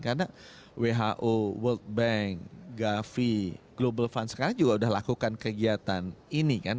karena who world bank gavi global fund sekarang juga sudah lakukan kegiatan ini kan